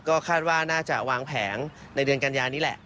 ก็คาดว่าน่าจะวางแผงในเดือนกัญญานี้แหละ